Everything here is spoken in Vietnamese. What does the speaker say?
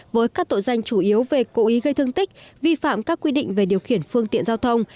với các tội danh chủ yếu về cố ý gây thương tích vi phạm các quy định về điều khiển phương tiện giao thông